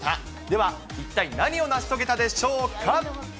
では、一体何を成し遂げたでしょうか。